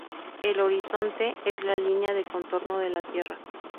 El horizonte es la linea de contorno de la tierra.